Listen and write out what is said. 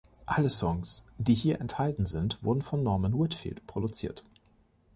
Alle Songs, die hier enthalten sind, wurden von Norman Whitfield produziert.